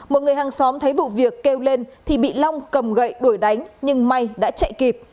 một người hàng xóm thấy vụ việc kêu lên thì bị long cầm gậy đuổi đánh nhưng may đã chạy kịp